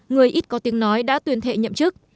người ít có tiếng nói đã tuyên thệ nhậm chức